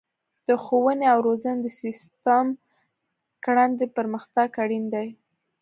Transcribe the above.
د ښوونې او روزنې د سیسټم ګړندی پرمختګ اړین دی.